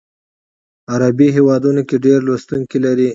عربي هیوادونو کې ډیر لوستونکي لري.